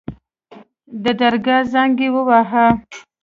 د درګاه زنګ يې وواهه.